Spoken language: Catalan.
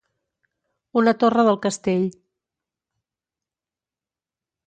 Una torre del castell.